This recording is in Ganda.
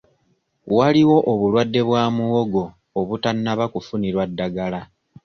Waliwo obulwadde bwa muwogo obutannaba kufunirwa ddagala.